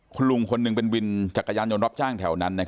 คุณลุงคนหนึ่งเป็นวินจักรยานยนต์รับจ้างแถวนั้น